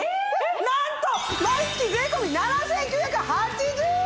何と毎月税込７９８０円！